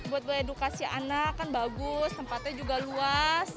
buat edukasi anak kan bagus tempatnya juga luas